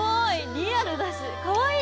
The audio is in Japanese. リアルだしかわいい！